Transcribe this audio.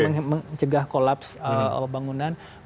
mencegah kolaps bangunan